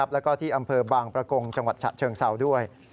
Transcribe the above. แล้วก็ที่อำเภอบางประกงจังหวัดฉะเชิงเศร้าด้วย